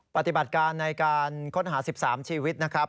ปฏิบัติการในการค้นหา๑๓ชีวิตนะครับ